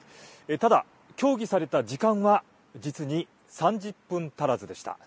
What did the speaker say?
ただ、協議された時間は実に３０分足らずでした。